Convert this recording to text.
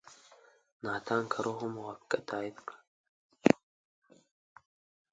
ناتان کرو هم موافقه تایید کړه.